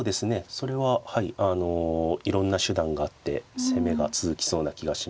それはあのいろんな手段があって攻めが続きそうな気がします。